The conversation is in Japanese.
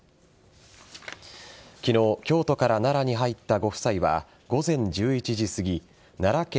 昨日、京都から奈良に入ったご夫妻は午前１１時すぎ奈良県